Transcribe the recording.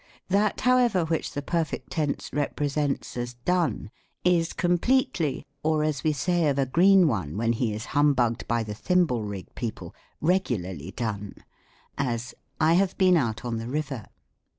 That, however, which the Perfect Tense represents as done, is completely, or, as we say of a green one, when he is humbugged by the thimble rig people, regularly done ; as, " I Juive heen out on the river."